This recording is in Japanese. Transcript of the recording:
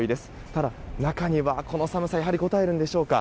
ただ、中にはこの寒さがこたえるんでしょうか。